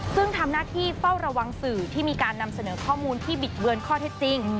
ซึ่งทำหน้าที่เฝ้าระวังสื่อที่มีการนำเสนอข้อมูลที่บิดเบือนข้อเท็จจริง